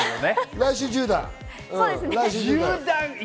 来週１０段？